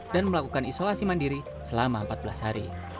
dan melakukan isolasi mandiri selama empat belas hari